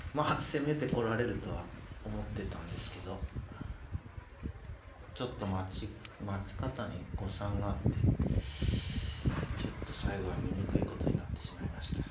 攻めてこられるとは思ってたんですけどちょっと待ち方に誤算があってちょっと最後は醜いことになってしまいました。